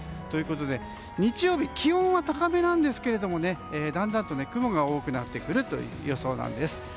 ということで、日曜日気温は高めですがだんだんと雲が多くなってくるという予想なんです。